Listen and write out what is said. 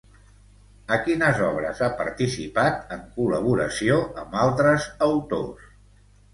A quines obres ha participat en col·laboració amb altres autors?